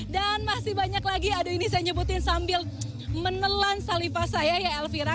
dan masih banyak lagi ada ini saya nyebutin sambil menelan salipah saya ya elvira